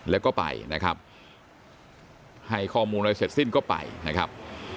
แล้วก็ไปนะครับให้ข้อมูลอะไรเสร็จสิ้นก็ไปนะครับ